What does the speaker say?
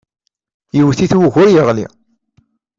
Yewwet-it wugur yeɣli.